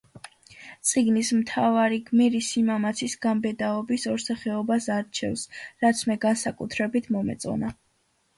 წიგნის მთავარი გმირისიმამაცის, გამბედაობის ორ სახეობას არჩევს, რაც მე განსაკუთრებით მომეწონა.